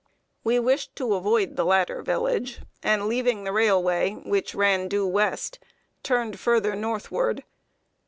We wished to avoid the latter village; and leaving the railway, which ran due west, turned farther northward.